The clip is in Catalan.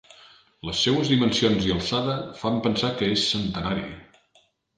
Les seues dimensions i alçada fan pensar que és centenari.